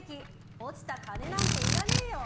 落ちた金なんていらねえよ！